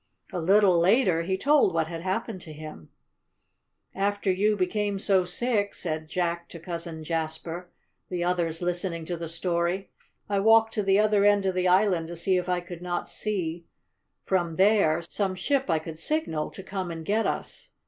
A little later he told what had happened to him. "After you became so sick," said Jack to Cousin Jasper, the others listening to the story, "I walked to the other end of the island to see if I could not see, from there, some ship I could signal to come and get us.